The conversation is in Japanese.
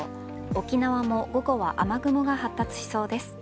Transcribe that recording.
沖縄も午後は雨雲が発達しそうです。